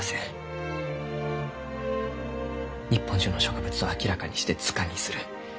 日本中の植物を明らかにして図鑑にする。